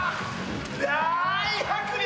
大迫力。